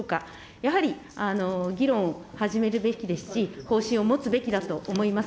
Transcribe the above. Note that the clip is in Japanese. やはり議論始めるべきですし、方針を持つべきだと思います。